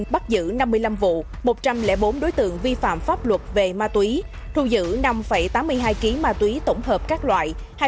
bắt giữ năm mươi năm vụ một trăm linh bốn đối tượng vi phạm pháp luật về ma túy thu giữ năm tám mươi hai kg ma túy tổng hợp các loại